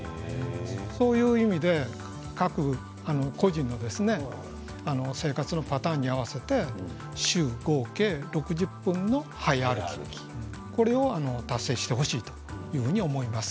そういう意味で各個人の生活のパターンに合わせて週に合計６０分の早歩きこれを達成してほしいと思います。